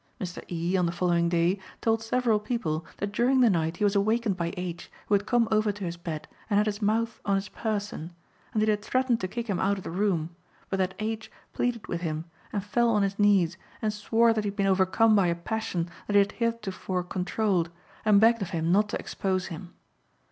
Mr. E., on the following day told several people that during the night he was awakened by H., who had come over to his bed and had his mouth on his 'person,' and that he had threatened to kick him out of the room, but that H. pleaded with him and fell on his knees and swore that he had been overcome by a passion that he had heretofore controlled, and begged of him not to expose him.